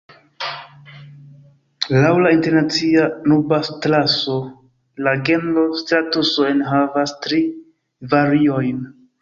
Laŭ la Internacia Nubatlaso, la genro stratuso enhavas tri variojn.